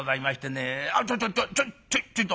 「ちょちょちょちょいと」。